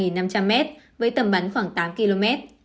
mục tiêu ở độ cao là ba năm trăm linh m với tầm bắn khoảng tám km